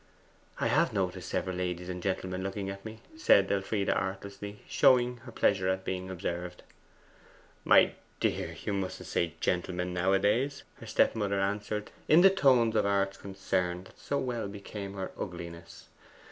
'I have noticed several ladies and gentlemen looking at me,' said Elfride artlessly, showing her pleasure at being observed. 'My dear, you mustn't say "gentlemen" nowadays,' her stepmother answered in the tones of arch concern that so well became her ugliness.